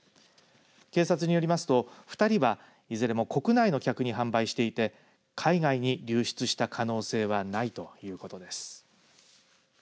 警察によりますと２人はいずれも国内の客に販売していて海外に流出した可能性はないということです。